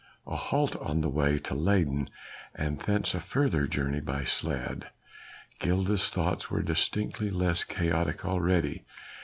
A halt on the way to Leyden! and thence a further journey by sledge! Gilda's thoughts were distinctly less chaotic already.